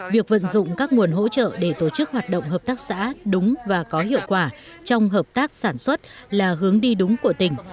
việc vận dụng các nguồn hỗ trợ để tổ chức hoạt động hợp tác xã đúng và có hiệu quả trong hợp tác sản xuất là hướng đi đúng của tỉnh